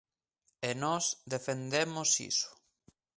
E nós defendemos iso.